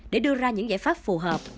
để đưa ra những giải pháp phù hợp